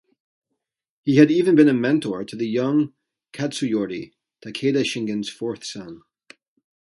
He had even been a mentor to the young Katsuyori, Takeda Shingen's fourth son.